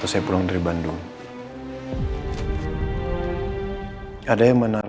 saya saja salah